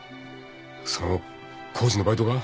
その工事のバイトが？